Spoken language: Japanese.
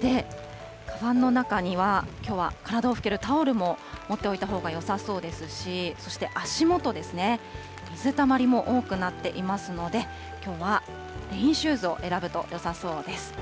で、かばんの中には、きょうは体を拭けるタオルも持っておいたほうがよさそうですし、そして足元ですね、水たまりも多くなっていますので、きょうはレインシューズを選ぶとよさそうです。